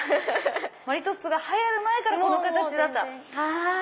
マリトッツォが流行る前からこの形だった。